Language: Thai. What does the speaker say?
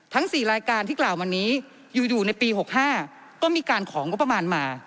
ทั้งสี่รายการที่กล่าวมาเนนี้อยู่ในปี๑๙๖๕ก็มีการของบประมาณมา